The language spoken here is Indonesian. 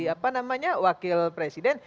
apa namanya wakil presiden